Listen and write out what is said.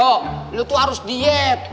dok lo tuh harus diet